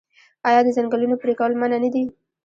آیا د ځنګلونو پرې کول منع نه دي؟